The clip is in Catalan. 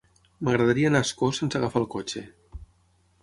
M'agradaria anar a Ascó sense agafar el cotxe.